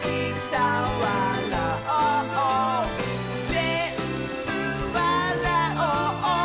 「ぜんぶわらおう！